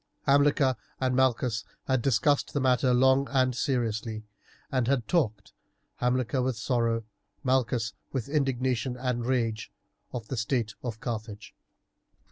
Hamilcar and Malchus had discussed the matter long and seriously, and had talked, Hamilcar with sorrow, Malchus with indignation and rage, of the state of Carthage.